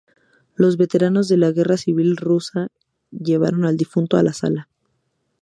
Los veteranos de la Guerra Civil Rusa llevaron al difunto a la sala.